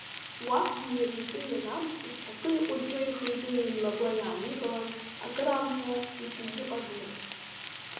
Уахьгьы иара итәы ианамк, иԥсахы еиҟәыҷҷо ихы-иҿы еимлагәа иааникылан, акыраамҭа иҽизыҟажомызт.